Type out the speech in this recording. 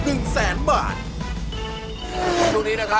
ตรงนี้นะครับนี่เรามีทั้งหมด